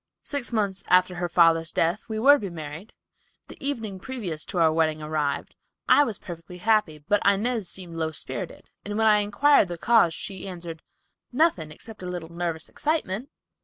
Six months after her father's death we were to be married. The evening previous to our wedding arrived. I was perfectly happy, but Inez seemed low spirited, and when I inquired the cause she answered, 'Nothing, except a little nervous excitement.